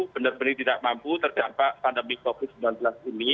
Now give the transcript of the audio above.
benar benar tidak mampu terdampak pandemi covid sembilan belas ini